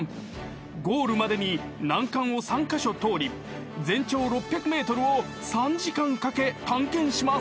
［ゴールまでに難関を３カ所通り全長６００ｍを３時間かけ探検します］